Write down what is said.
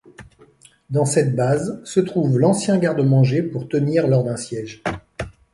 Dans cette base se trouve l'ancien garde-manger pour tenir lors d'un siège.